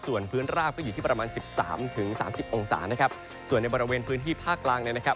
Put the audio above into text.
ส่วนพื้นราบก็อยู่ที่ประมาณ๑๓๓๐องศานะครับส่วนในบริเวณพื้นที่ภาคล่างเนี่ยนะครับ